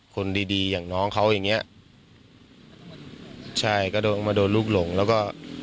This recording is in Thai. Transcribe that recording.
คนดีดีอย่างน้องเขาอย่างเงี้ยใช่ก็โดนมาโดนลูกหลงแล้วก็